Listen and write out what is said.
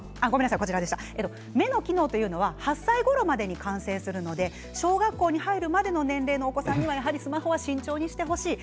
目の機能というのは８歳ぐらいまでに完成するので小学校に入るまでの年齢のお子さんにはスマホは慎重にいってほしい。